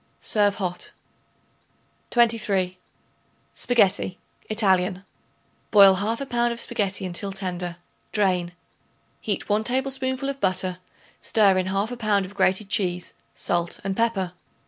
Serve hot. 23. Spaghetti (ITALIAN). Boil 1/2 pound of spaghetti until tender. Drain. Heat 1 tablespoonful of butter, stir in 1/2 pound of grated cheese, salt and pepper.